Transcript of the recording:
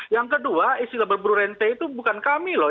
yang kedua istilah berburu rente itu bukan kami loh